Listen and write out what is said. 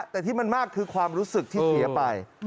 แต่ที่มันมากคือความรู้สึกที่เสียไป